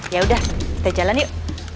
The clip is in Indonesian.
yaudah kita jalan yuk